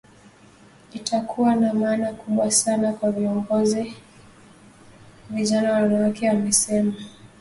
Itakuwa na maana kubwa sana kwa viongozi vijana wanawake amesema